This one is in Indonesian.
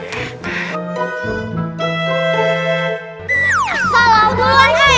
assalamualaikum warahmatullahi wabarakatuh